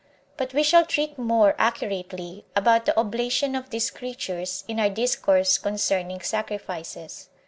But we shall treat more accurately about the oblation of these creatures in our discourse concerning sacrifices.